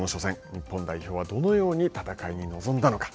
日本代表はどのように戦いに臨んだのか。